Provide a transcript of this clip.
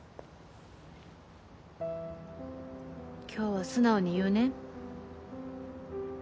今日は素直に言うね。